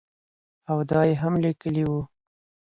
او دا ئې هم ليکلي وو